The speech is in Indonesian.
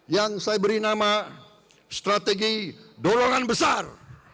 yang saya beri nama strategi dolongan besar